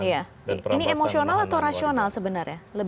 iya ini emosional atau rasional sebenarnya